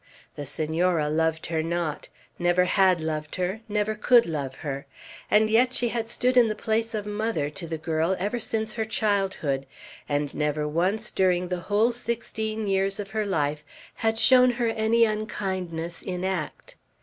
The Senora loved her not; never had loved her, never could love her; and yet she had stood in the place of mother to the girl ever since her childhood, and never once during the whole sixteen years of her life had shown her any unkindness in act.